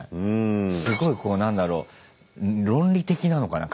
すごいこう何だろう論理的なのかな？